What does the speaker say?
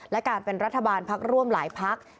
และการเป็นรัฐบาลภักดิ์ร่วมหลายภักดิ์